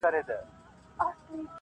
غلیمان به یې تباه او نیمه خوا سي-